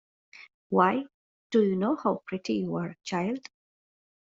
Why, do you know how pretty you are, child?